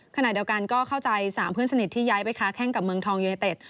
ขณะเดียวกันก็เข้าใจ๓เพื่อนสนิทที่ย้ายไปค้าแข้งกับเมืองทองยูเนเต็ด